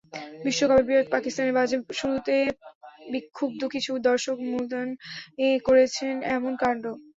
বিশ্বকাপে পাকিস্তানের বাজে শুরুতে ক্ষুব্ধ কিছু দর্শক মুলতানে করেছেন এমন কাণ্ড।